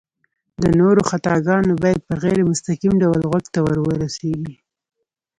د نورو خطاګانې بايد په غير مستقيم ډول غوږ ته ورورسيږي